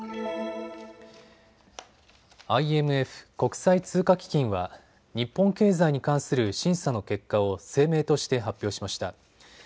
ＩＭＦ・国際通貨基金は日本経済に関する審査の結果を声明として発表しました。